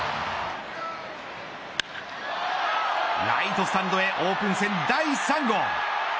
ライトスタンドへオープン戦第３号。